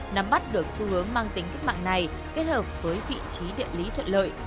nắm bắt được xu hướng mang tính kích mạng này kết hợp với vị trí địa lý thuận lợi